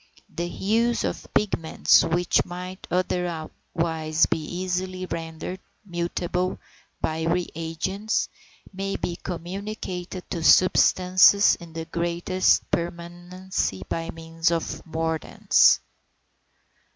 The hues of pigments which might otherwise be easily rendered mutable by re agents, may be communicated to substances in the greatest permanency by means of mordants.